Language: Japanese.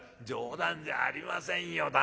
冗談じゃありませんよ